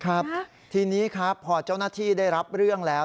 ครับทีนี้ครับพอเจ้าหน้าที่ได้รับเรื่องแล้ว